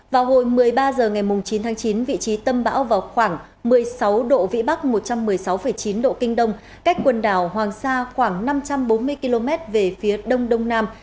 vào hồi một mươi ba h ngày chín tháng chín vị trí tâm bão vào khoảng một mươi sáu độ vĩ bắc một trăm một mươi sáu chín độ kinh đông cách quần đảo hoàng sa khoảng năm trăm bốn mươi km về phía đông đông nam